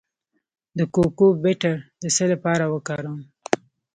د کوکو بټر د څه لپاره وکاروم؟